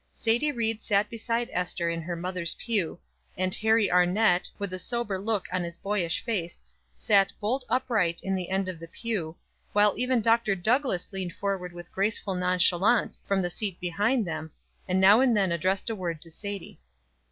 Sadie Ried sat beside Ester in their mother's pew, and Harry Arnett, with a sober look on his boyish face, sat bolt upright in the end of the pew, while even Dr. Douglass leaned forward with graceful nonchalance from the seat behind them, and now and then addressed a word to Sadie.